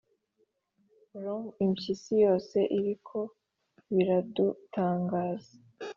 rum impyisi yose, ariko biradutangaza